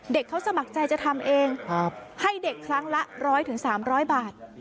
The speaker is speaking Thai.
เด็กเขาสมัครใจจะทำเองให้เด็กครั้งละร้อยถึงสามร้อยบาท